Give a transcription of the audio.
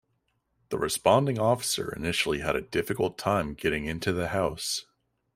The responding officer initially had a difficult time getting into the house.